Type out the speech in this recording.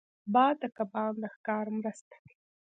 باد د کبان د ښکار مرسته کوي